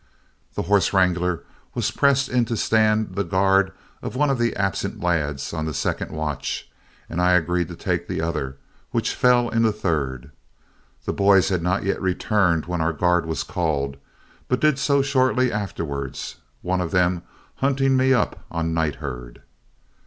The horse wrangler was pressed in to stand the guard of one of the absent lads on the second watch, and I agreed to take the other, which fell in the third. The boys had not yet returned when our guard was called, but did so shortly afterward, one of them hunting me up on night herd.